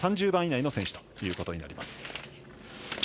３０番以内の選手ということになります。